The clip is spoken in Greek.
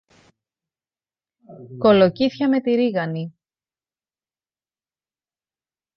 Κολοκύθια με τη ρίγανη!